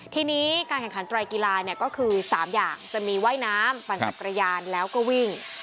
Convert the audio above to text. ทีนี้การแข่งขันไตรกีฬาเนี่ยก็คือ๓อย่างจะมีว่ายน้ำปั่นจักรยานแล้วก็วิ่ง